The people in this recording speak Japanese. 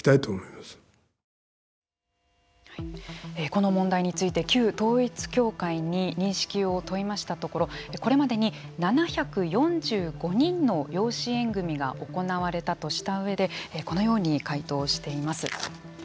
この問題について旧統一教会に認識を問いましたところこれまでに７４５人の養子縁組が行われたとした上でこのように回答しています。